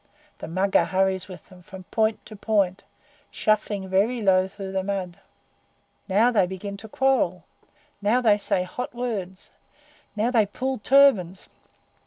The Mugger hurries with them from point to point, shuffling very low through the mud. Now they begin to quarrel! Now they say hot words! Now they pull turbans!